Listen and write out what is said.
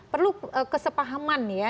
perlu kesepahaman ya